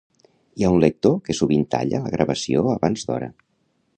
Hi ha un lector que sovint talla la gravació abans d'hora